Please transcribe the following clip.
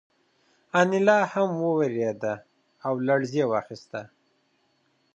انیلا هم وورېده او لړزې واخیسته